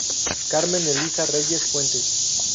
Carmen Elisa Reyes Fuentes.